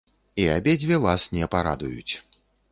І абедзве вас не парадуюць.